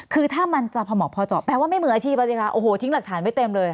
คือถ้ามันจะผ่าหมอกพอเจาะแปลว่าไม่มืออาชีพนะครับทิ้งหลักฐานไม่เต็มเลย